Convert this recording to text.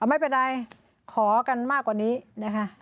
ไม่เป็นไรขอกันมากกว่านี้นะคะ